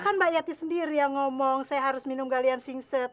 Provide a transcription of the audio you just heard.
kan mbak yati sendiri yang ngomong saya harus minum galian singset